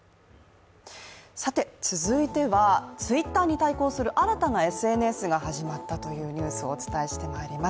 続いては、Ｔｗｉｔｔｅｒに対抗する新たなＳＮＳが始まったというニュースをお伝えしてまいります。